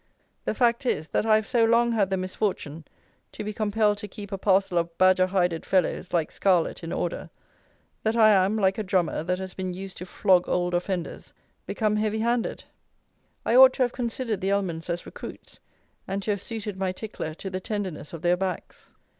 The fact is, that I have so long had the misfortune to be compelled to keep a parcel of badger hided fellows, like SCARLETT, in order, that I am, like a drummer that has been used to flog old offenders, become heavy handed. I ought to have considered the Ellmans as recruits and to have suited my tickler to the tenderness of their backs.